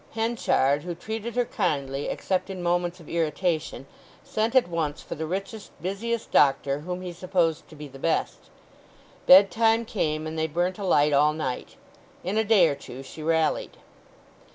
Henchard, who treated her kindly, except in moments of irritation, sent at once for the richest, busiest doctor, whom he supposed to be the best. Bedtime came, and they burnt a light all night. In a day or two she rallied.